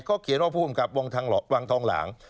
เขาเขียนว่าภูมิกับวังทองหลาง